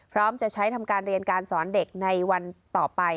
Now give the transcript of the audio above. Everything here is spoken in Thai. พร้อมจะใช้ทำการเรียนการสอนเด็กในวันต่อไป